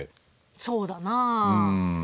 そうだなあ。